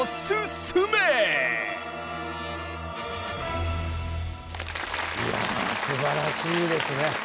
いやぁすばらしいですね。